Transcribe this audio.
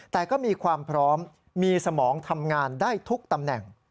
แต่ก็มีความพร้อมมีสมองทำงานได้ทุกตำแหน่ง